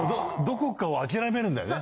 どこかを諦めるんだよね。